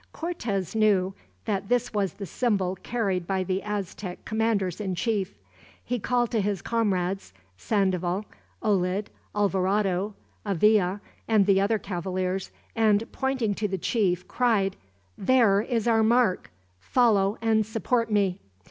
Cortez knew that this was the symbol carried by the Aztec commanders in chief. He called to his comrades Sandoval, Olid, Alvarado, Avila, and the other cavaliers and pointing to the chief, cried: "There is our mark! Follow, and support me."